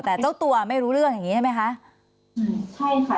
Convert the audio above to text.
แต่เจ้าตัวไม่รู้เรื่องอย่างนี้ใช่ไหมคะ